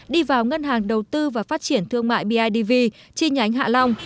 đi vào ngân hàng đầu tư và phát triển thương mại bidv chi nhánh hạ long